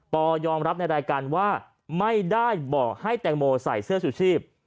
ยอมรับในรายการว่าไม่ได้บอกให้แตงโมใส่เสื้อชูชีพ